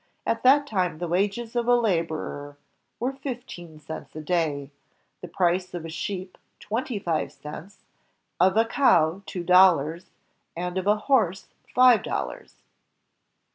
At that time the wages of a laborer were fifteen cents a day, the price of a sheep twenty five cents, of a cow two dollars, and of a horse five dollars.